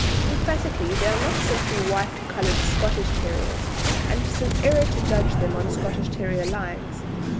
Emphatically, they are not simply white coloured Scottish Terriers, and it is an error to judge them on Scottish Terrier lines.